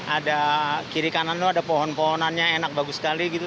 ada kiri kanan itu ada pohon pohonannya enak bagus sekali gitu